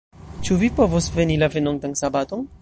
Ĉu vi povos veni la venontan sabaton?